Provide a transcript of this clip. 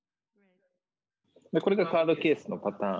これがカードケースのパターンですね。